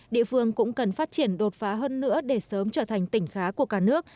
địa phương cũng cần phát triển đột phá hơn nữa để sớm trở thành tỉnh khá của cả nước